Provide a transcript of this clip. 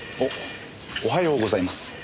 おはようございます。